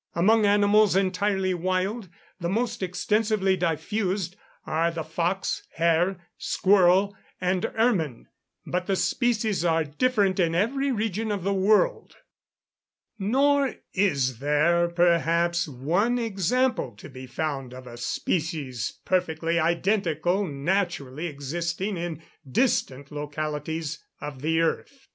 Among animals entirely wild, the most extensively diffused, are the fox, hare, squirrel, and ermine; but the species are different in every region of the world; nor is there perhaps one example to be found of a species perfectly identical naturally existing in distant localities of the earth.